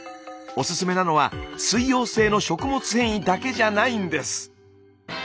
おすすめなのは水溶性の食物繊維だけじゃないんです。